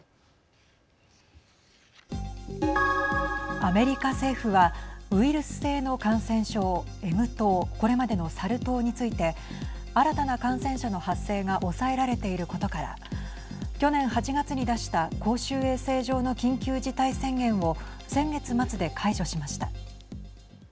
アメリカ政府はウイルス性の感染症Ｍ痘、これまでのサル痘について新たな感染者の発生が抑えられていることから去年８月に出した公衆衛生上の緊急事態宣言を先月末で解除しました。